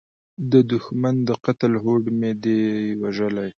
د دوښمن د قتل هوډ مې دی وژلی